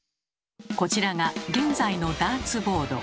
こちらが現在のダーツボード。